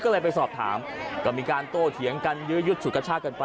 ก็เลยไปสอบถามก็มีการโตเถียงกันยืดสุขชาติเกินไป